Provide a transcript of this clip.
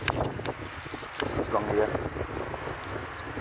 O te ton ya?